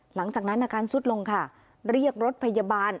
หลังจากนั้นอาการสุดลงค่ะเรียกรถพยาบาล